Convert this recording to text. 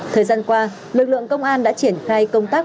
thời gian qua lực lượng công an đã triển khai công tác